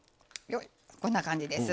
こんな感じです。